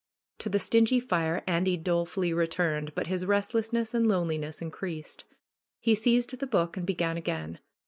To the stingy fire Andy dolefully returned, but his restlessness and loneliness increased. He seized the book and began again.